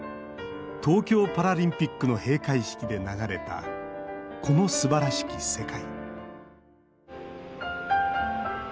東京パラリンピックの閉会式で流れた「この素晴らしき世界」。